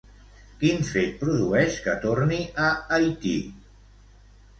Quin fet produeix que torni a Haití?